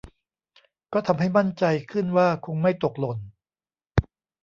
ก็ทำให้มั่นใจขึ้นว่าคงไม่ตกหล่น